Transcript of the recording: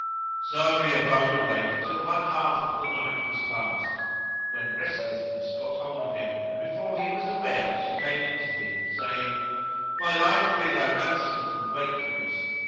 So he abode awake till one half of the night was passed, when restlessness get hold on him, and before he was aware she came in to him, saying, "My life be thy ransom from wakefulness!"